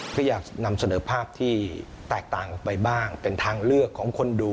ก็อยากนำเสนอภาพที่แตกต่างออกไปบ้างเป็นทางเลือกของคนดู